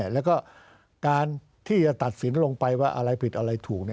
แล้วก็การที่จะตัดสินลงไปว่าอะไรผิดอะไรถูก